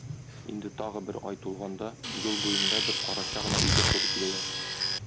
Инде тагы бер ай тулганда, юл буенда бер карача гына өйгә туры киләләр.